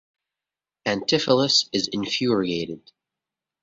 Antipholus is infuriated.